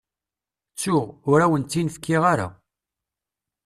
Ttuɣ, ur awen-tt-in-fkiɣ ara.